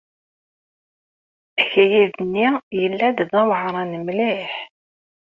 Akayad-nni yella-d d aweɛṛan mliḥ.